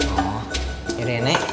oh iya deh nek